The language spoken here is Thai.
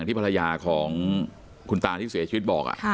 ที่ภรรยาของคุณตาที่เสียชีวิตบอก